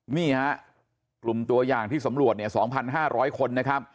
นี่ครับกลุ่มตัวอย่างที่สำรวจ๒๕๐๐คน